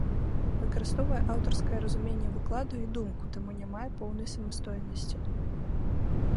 Выкарыстоўвае аўтарскае разуменне выкладу і думку, таму не мае поўнай самастойнасці.